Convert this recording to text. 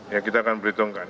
ya kita akan perhitungkan